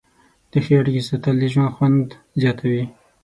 د ښې اړیکې ساتل د ژوند خوند زیاتوي.